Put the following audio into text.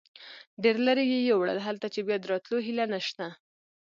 ډېر لرې یې یوړل، هلته چې بیا د راتلو هیله نشته.